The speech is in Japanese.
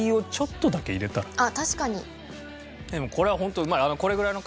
でもこれはホントうまい。